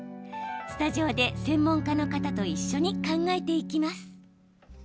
スタジオで専門家の方と一緒に考えていきます。